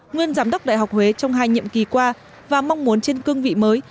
nguyên giám đốc đại học huế trong hai nhiệm kỳ qua và mong muốn trên cương vị mới